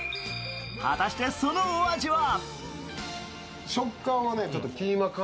果たして、そのお味は？